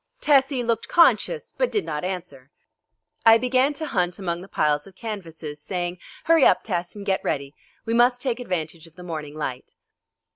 Tessie looked conscious, but did not answer. I began to hunt among the piles of canvases, saying, "Hurry up, Tess, and get ready; we must take advantage of the morning light."